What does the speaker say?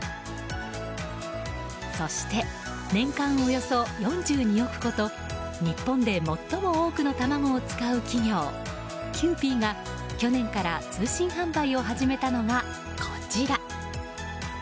そして、年間およそ４２億個と日本で最も多くの卵を使う企業キユーピーが去年から通信販売を始めたのが、こちら。